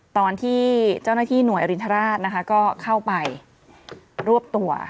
ตอนที่เจ้าหน้าที่หน่วยอรินทราชนะคะก็เข้าไปรวบตัว